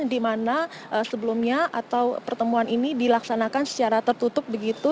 di mana sebelumnya atau pertemuan ini dilaksanakan secara tertutup begitu